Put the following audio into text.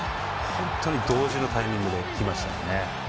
本当に同時のタイミングでした。